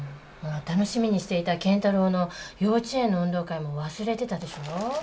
楽しみにしていた健太郎の幼稚園の運動会も忘れてたでしょ？